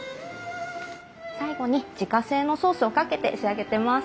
最後に自家製のソースをかけて仕上げてます。